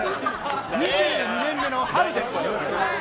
２２年目の春です。